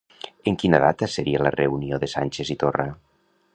En quina data seria la reunió de Sánchez i Torra?